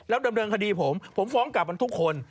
แล้วเดิมคดีผมผมฟ้องกับมันทุกคน